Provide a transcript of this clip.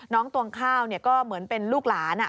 น้องตวงข้าวเนี่ยก็เหมือนเป็นลูกหลานอ่ะ